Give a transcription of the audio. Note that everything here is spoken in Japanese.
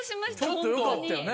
ちょっとよかったよね。